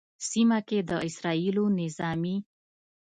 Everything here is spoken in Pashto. سیمه کې د اسرائیلو نظامي